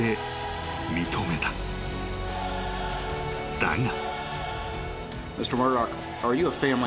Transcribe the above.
［だが］